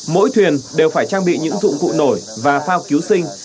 mỗi thuyền đều phải trang bị những dụng cụ nổi và phao cứu sinh